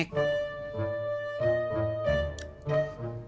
gak kayak makan cengek